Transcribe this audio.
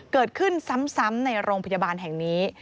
เกิดขึ้นซ้ำในโรงพยาบาลแห่งนี้